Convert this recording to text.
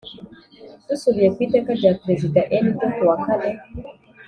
Dusubiye ku Iteka rya Perezida n ryo kuwa kane